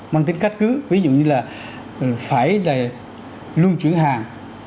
bằng tính cát cứ ví dụ như là phải là luôn chuyển hàng